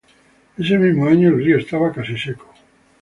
Ese mismo año el río estaba casi seco.